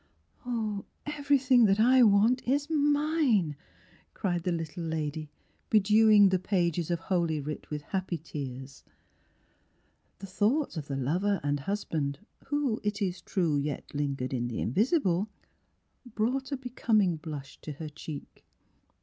Everything that I want is mine!" cried the little lady, bedewing the pages of Holy Writ with happy tears. The thought of the lover and husband who, it is true, yet lingered in the invisible, brought a becoming blush to her cheek.